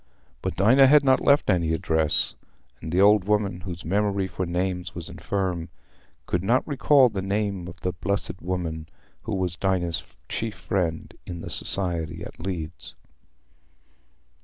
But Dinah had not left any address, and the old woman, whose memory for names was infirm, could not recall the name of the "blessed woman" who was Dinah's chief friend in the Society at Leeds.